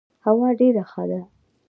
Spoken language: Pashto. هوا ډيره ښه ده.